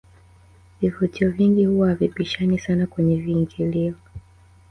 vivutio vingi huwa havipishani sana kwenye viingilio